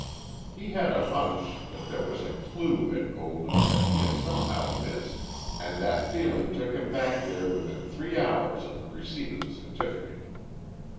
He had a hunch that there was a clue at Golden he had somehow missed, and that feeling took him back there within three hours of the receipt of the certificate.